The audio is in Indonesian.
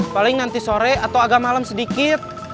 paling nanti sore atau agak malam sedikit